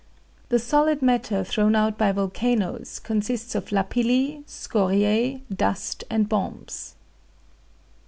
The solid matter thrown out by volcanoes consists of lapilli, scoriae, dust and bombs.